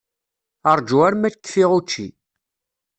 Ṛju arma kfiɣ učči.